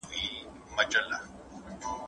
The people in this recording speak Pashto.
سبزیجات د مور له خوا وچول کيږي